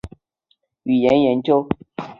语料库语言学的语言研究。